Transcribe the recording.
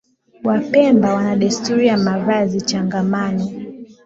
Wapemba wana desturi ya mavazi changamano